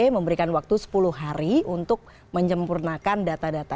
memberikan waktu sepuluh hari untuk menyempurnakan data data